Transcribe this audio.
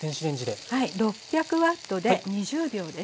６００Ｗで２０秒です。